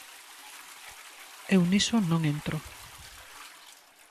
Eu niso non entro.